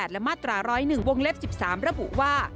และมาตรา๑๐๑วงเล็บ๑๓ระบุว่า